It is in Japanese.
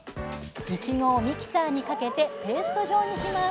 いちごをミキサーにかけてペースト状にします